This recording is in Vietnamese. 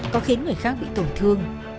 có khiến người khác bị tổn thương